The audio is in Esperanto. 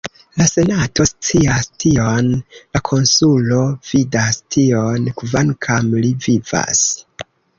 La senato scias tion, la konsulo vidas tion, kvankam li vivas!